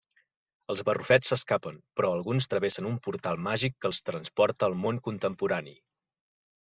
Els barrufets s'escapen, però alguns travessen un portal màgic que els transporta al món contemporani.